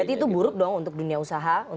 berarti itu buruk dong untuk dunia usaha